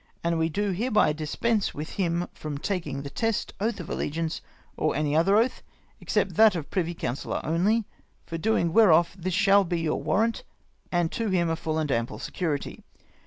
"And we do hereby dispense with him from taking the test, oath of allegiance, or any other oath, except that of Privy Councillor only. For doing whereof this shall be your warrant, and to him a full and ample security.